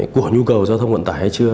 của nhu cầu giao thông vận tải hay chưa